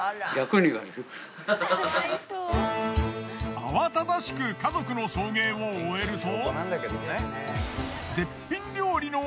慌ただしく家族の送迎を終えると。